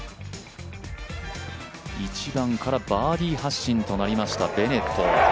１番からバーディー発進となりましたベネット。